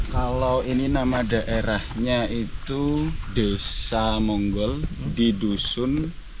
kalau ini nama daerahnya itu desa monggol di dusun